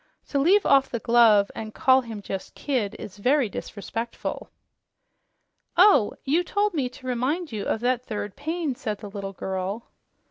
To leave off the glove and call him just Kidd is very disrespectful." "Oh! You told me to remind you of that third pain," said the little girl.